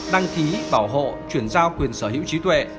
đăng ký bảo hộ chuyển giao quyền sở hữu trí tuệ